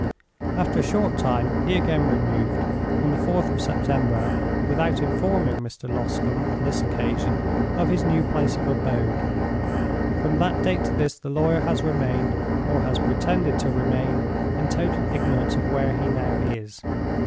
After a short time he again removed, on the 4th of September, without informing Mr. Loscombe, on this occasion, of his new place of abode. From that date to this the lawyer has remained (or has pretended to remain) in total ignorance of where he now is.